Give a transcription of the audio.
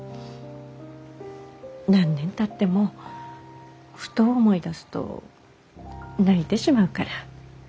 何年たってもふと思い出すと泣いてしまうから。